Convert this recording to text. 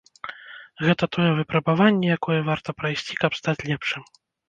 Гэта тое выпрабаванне, якое варта прайсці, каб стаць лепшым.